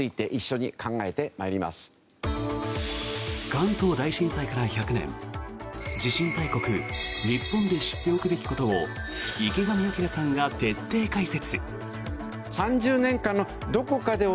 関東大震災から１００年地震大国・日本で知っておくべきことを池上彰さんが徹底解説。